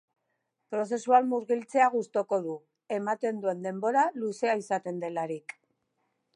Prozesuan murgiltzea gustuko du, ematen duen denbora luzea izaten delarik.